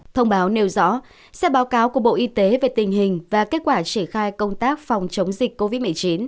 thông báo nêu rõ sẽ báo cáo của bộ y tế về tình hình và kết quả triển khai công tác phòng chống dịch covid một mươi chín